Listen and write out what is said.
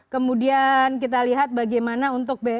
kemudian kita lihat bagaimana untuk biaya